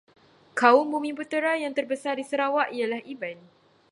Kaum Bumiputera yang terbesar di Sarawak ialah Iban.